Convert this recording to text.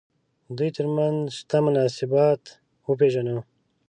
دوی تر منځ شته مناسبات وپېژنو.